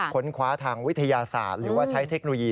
ค้นคว้าทางวิทยาศาสตร์หรือว่าใช้เทคโนโลยี